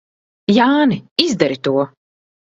Jāni, izdari to!